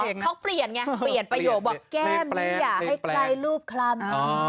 เขาเปลี่ยนไงเปลี่ยนประโยคบอกแก้มนี้อย่าให้ใกล้รูปคลำ